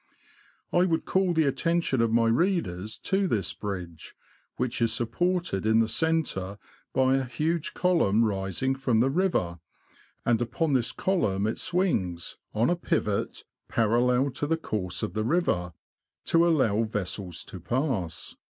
I would call the attention of my readers to this bridge, which is supported in the centre by a huge column rising from the river; and upon this column it swings, on a pivot, parallel to the course of the river, to allow vessels to pass.